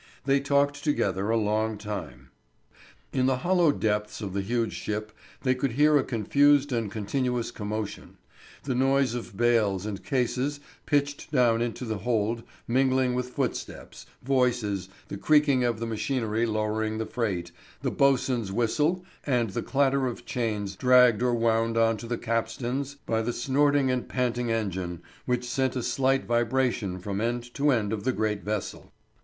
They talked together a long time. In the hollow depths of the huge ship they could hear a confused and continuous commotion; the noise of bales and cases pitched down into the hold mingling with footsteps, voices, the creaking of the machinery lowering the freight, the boatswain's whistle, and the clatter of chains dragged or wound on to capstans by the snorting and panting engine which sent a slight vibration from end to end of the great vessel.